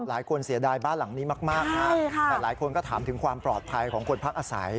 เสียดายบ้านหลังนี้มากนะครับแต่หลายคนก็ถามถึงความปลอดภัยของคนพักอาศัย